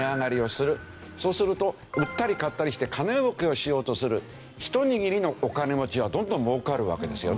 そうすると売ったり買ったりして金儲けをしようとする一握りのお金持ちはどんどん儲かるわけですよね。